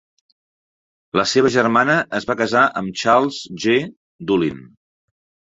La seva germana es va casar amb Charles G. Dulin.